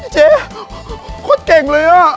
เจ๊ค่ะเก่งเลย๊ะ